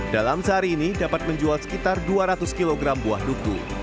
dalam sehari ini dapat menjual sekitar dua ratus kg buah duku